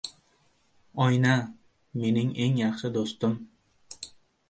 Oyna – mening eng yaxshi do‘stim.